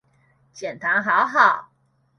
減醣好好